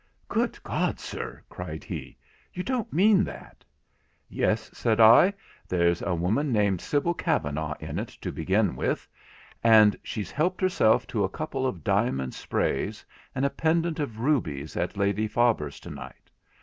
'Good God, sir!' cried he, 'you don't mean that!' 'Yes,' said I, 'there's a woman named Sibyl Kavanagh in it to begin with, and she's helped herself to a couple of diamond sprays, and a pendant of rubies at Lady Faber's to night.